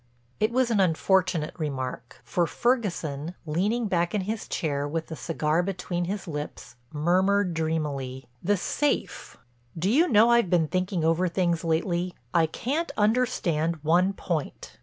It was an unfortunate remark, for Ferguson, leaning back in his chair with the cigar between his lips, murmured dreamily: "The safe—do you know I've been thinking over things lately. I can't understand one point.